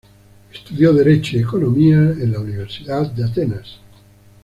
Estudió derecho y economía en la Universidad de Atenas.